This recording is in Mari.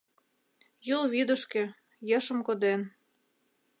Юл вӱдышкӧ, ешым коден.